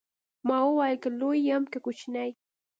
ما وويل که لوى يم که کوچنى.